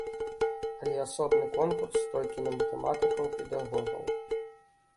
Але асобны конкурс толькі на матэматыкаў-педагогаў.